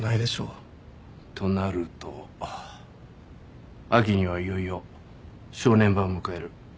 となると秋にはいよいよ正念場を迎える。